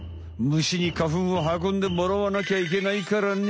虫に花粉を運んでもらわなきゃいけないからね。